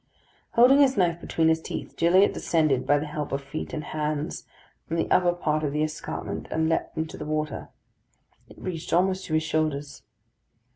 Holding his knife between his teeth, Gilliatt descended, by the help of feet and hands, from the upper part of the escarpment, and leaped into the water. It reached almost to his shoulders.